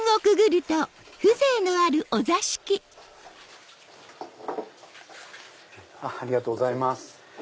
ありがとうございます。